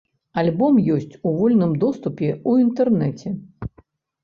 Альбом ёсць у вольным доступе ў інтэрнэце.